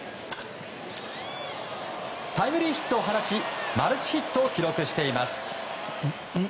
タイムリーヒットを放ちマルチヒットを記録しています。